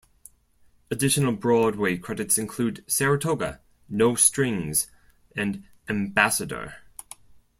Additional Broadway credits include "Saratoga", "No Strings", and "Ambassador".